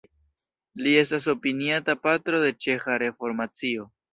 Li estas opiniata patro de ĉeĥa reformacio.